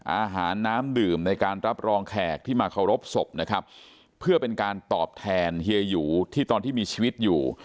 อาหารน้ำดื่มในการรับรองแขกที่มาเคารพศพนะครับเพื่อเป็นการตอบแทนเฮียหยูที่ตอนที่มีชีวิตอยู่